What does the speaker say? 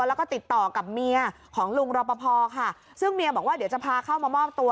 แล้วก็ติดต่อกับเมียของลุงรอปภค่ะซึ่งเมียบอกว่าเดี๋ยวจะพาเข้ามามอบตัว